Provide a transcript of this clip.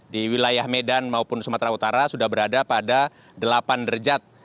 di wilayah medan maupun sumatera utara sudah berada pada delapan derajat